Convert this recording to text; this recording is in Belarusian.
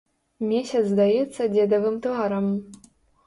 Месяц здаецца дзедавым тварам.